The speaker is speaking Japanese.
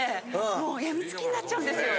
もうやみつきになっちゃうんですよ・